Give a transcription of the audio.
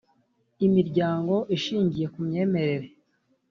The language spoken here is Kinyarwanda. imiryango ishingiye ku myemerere